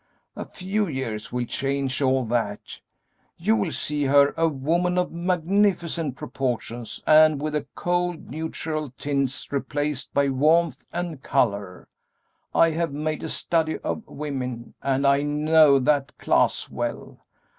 A few years will change all that. You will see her a woman of magnificent proportions and with the cold, neutral tints replaced by warmth and color. I have made a study of women, and I know that class well.